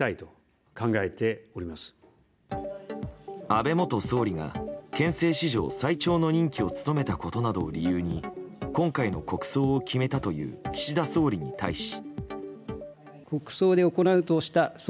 安倍元総理が憲政史上最長の任期を務めたことなどを理由に今回の国葬を決めたという岸田総理に対し。